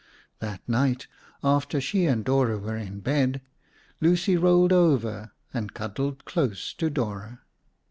That night, after she and Dora were in bed, Lucy rolled over and cuddled close to Dora.